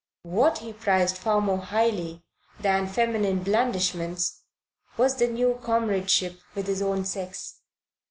What he prized far more highly than feminine blandishments was the new comradeship with his own sex.